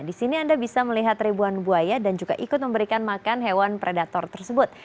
di sini anda bisa melihat ribuan buaya dan juga ikut memberikan makan hewan predator tersebut